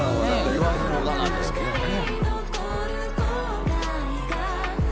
「言わずもがなですけどね」